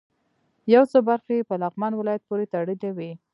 یو څه برخې یې په لغمان ولایت پورې تړلې وې.